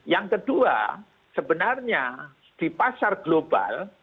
yang kedua sebenarnya di pasar global